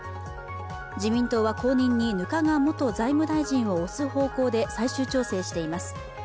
自民党は後任に額賀元財務大臣を推す方向で最終調整しています。